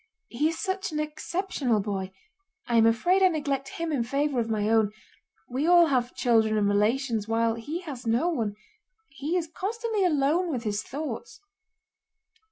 "He is such an exceptional boy. I am afraid I neglect him in favor of my own: we all have children and relations while he has no one. He is constantly alone with his thoughts."